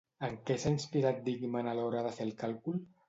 En què s'ha inspirat Dickman a l'hora de fer el càlcul?